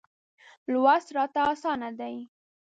لوست راته اسانه دی.